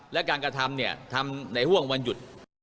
และการกระทำเนี่ยทำทำในห่วงวันหยุด